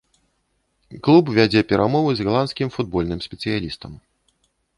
Клуб вядзе перамовы з галандскім футбольным спецыялістам.